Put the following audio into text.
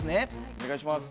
お願いします。